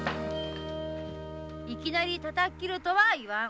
いきなりたたき斬るとは言わん。